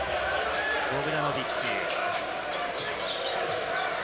ボグダノビッチ。